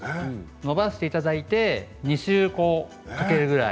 伸ばしていただいて２周かけるくらい。